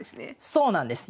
そうなんです。